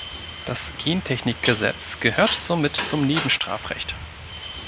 Das Gentechnikgesetz gehört somit zum Nebenstrafrecht.